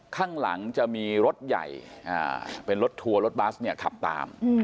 ข้างหลังจะมีรถใหญ่เป็นรถทัวร์รถบัสเนี่ยขับตาม